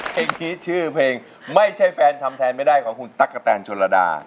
เพลงนี้ชื่อเพลงไม่ใช่แฟนทำแทนไม่ได้ของคุณตั๊กกะแตนชนระดา